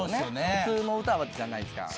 普通の歌じゃないですから。